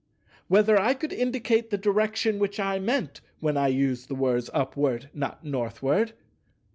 Whether I could indicate the direction which I meant when I used the words "Upward, not Northward"?